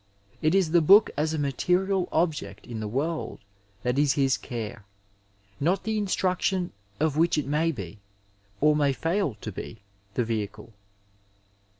It is the book as a material object in the world that is his care, not the instruction of which it may be, or may iail to be, the vehicle.